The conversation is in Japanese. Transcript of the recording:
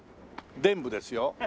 臀部ですよ。